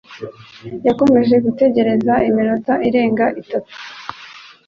yakomeje gutegereza iminota irenga itatu